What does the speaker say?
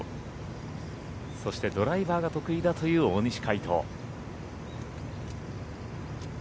そしてドライバーが得意だという大西魁斗。